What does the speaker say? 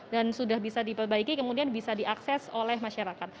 dan sudah bisa diperbaiki kemudian bisa diakses oleh masyarakat